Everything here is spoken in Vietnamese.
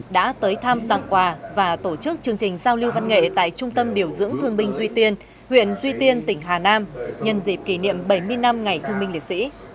đã tới thăm tặng quà và tổ chức chương trình giao lưu văn nghệ tại trung tâm điều dưỡng thương binh duy tiên huyện duy tiên tỉnh hà nam nhân dịp kỷ niệm bảy mươi năm ngày thương minh liệt sĩ